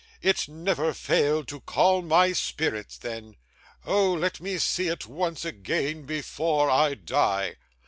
It never failed to calm my spirits then. Oh! let me see it once again before I die!"